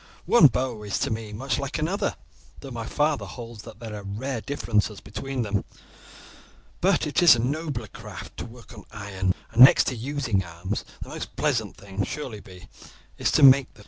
One bow is to me much like another, though my father holds that there are rare differences between them; but it is a nobler craft to work on iron, and next to using arms the most pleasant thing surely is to make them.